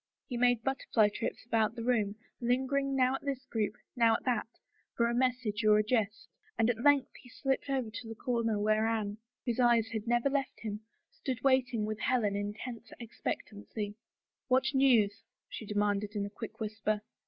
He made butter fly trips about the room, lingering now at this group, now at that, for a message or a jest, and at length he slipped over to the comer where Anne, whose eyes had never left him, stood waiting with Helen, in tense ex pectancy. "What news?" she demanded in a quick whisper.